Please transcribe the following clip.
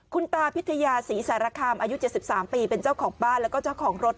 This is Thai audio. คุณตาพิทยาศรีสารคามอายุ๗๓ปีเป็นเจ้าของบ้านแล้วก็เจ้าของรถ